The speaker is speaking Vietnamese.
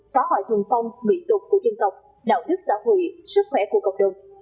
phá hoại thường phong bị tụt của dân tộc đạo đức xã hội sức khỏe của cộng đồng